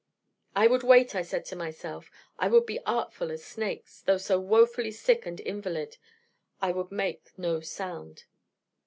I would wait, I said to myself, I would be artful as snakes, though so woefully sick and invalid: I would make no sound....